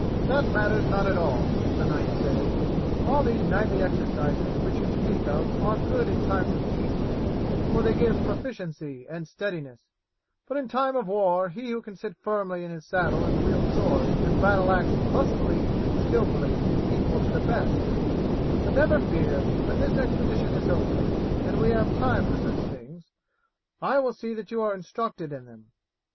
"That matters not at all," the knight said. "All these knightly exercises which you speak of are good in time of peace, for they give proficiency and steadiness, but in time of war he who can sit firmly in his saddle and wield sword and battle axe lustily and skillfully is equal to the best; but never fear, when this expedition is over, and we have time for such things, I will see that you are instructed in them.